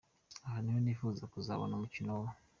Aho niho nifuza kuzabona umukino wo.